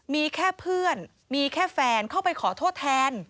มีแค่เพื่อนมีแค่แฟนเข้าไปขอโทษแทน